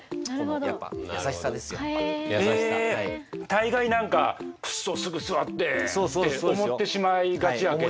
大概何か「くっそ！すぐ座って」って思ってしまいがちやけど。